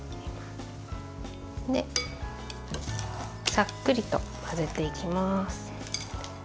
さっくりと混ぜていきます。